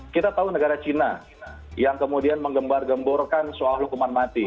kita tahu negara cina yang kemudian menggembar gemborkan soal hukuman mati